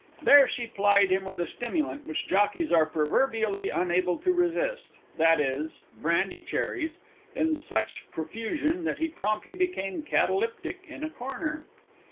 There she plied him with a stimulant which jockeys are proverbially unable to resist, viz., brandy cherries, in such profusion that he promptly became catalyptic in a corner.